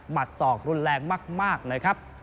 หมัดสอกรุนแรงมากนะครับ